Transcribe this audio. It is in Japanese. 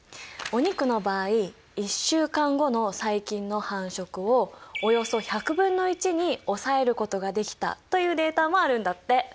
お肉の場合１週間後の細菌の繁殖をおよそ１００分の１に抑えることができたというデータもあるんだって。